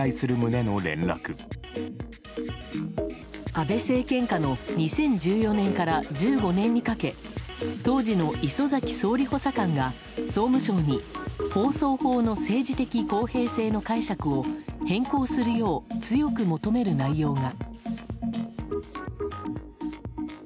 安倍政権下の２０１４年から１５年にかけ当時の礒崎総理補佐官が総務省に放送法の政治的公平性の解釈を変更するよう強く求める内容が。